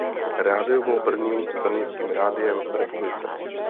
Rádio bylo prvním stranickým rádiem v republice.